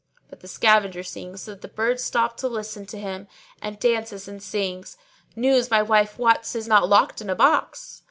But the scavenger sings so that the birds stop to listen to him and dances and sings, 'News my wife wots is not locked in a box!'